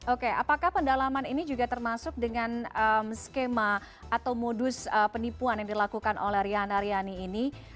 oke apakah pendalaman ini juga termasuk dengan skema atau modus penipuan yang dilakukan oleh riana riani ini